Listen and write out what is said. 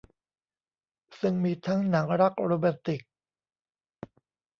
ซึ่งมีทั้งหนังรักโรแมนติก